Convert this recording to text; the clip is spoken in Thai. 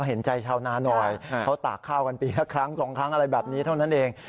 เห็นใจชาวนาหน่อยเขาตากข้าวกันปีละครั้งสองครั้งอะไรแบบนี้เท่านั้นเอง